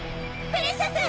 プレシャス！